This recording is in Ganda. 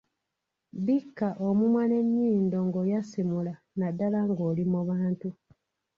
Bikka omumwa n’enyindo ng’oyasimula naddala ng’oli mu bantu.